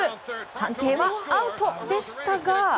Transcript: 判定は、アウトでしたが。